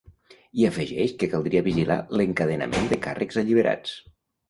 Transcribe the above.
I afegeix que ‘caldria vigilar l’encadenament de càrrecs alliberats’.